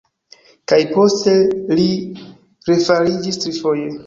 Kaj poste li refariĝis trifoje.